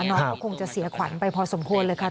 น้องก็คงจะเสียขวัญไปพอสมควรเลยค่ะ